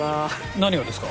何がですか？